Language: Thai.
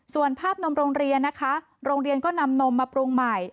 ส่วนภาพนมโรงเรียนนะคะโรงเรียนก็นำนมมาปรุงใหม่